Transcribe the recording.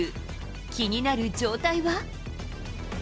気になる状態は。